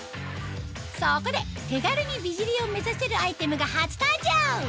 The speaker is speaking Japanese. そこで手軽に美尻を目指せるアイテムが初登場！